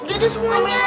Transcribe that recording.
gak ada semuanya